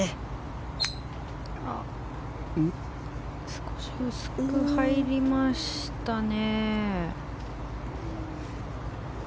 少し薄く入りましたね。